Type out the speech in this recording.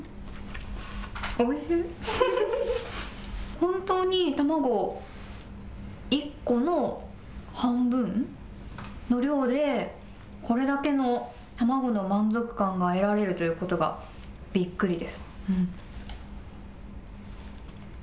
本当に卵を１個の半分の量で、これだけの卵の満足感が得られるということがびっくりです。